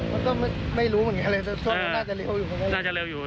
ก็ไม่รู้เหมือนกันเลยครับคงรู้ว่าน่าจะเร็วอยู่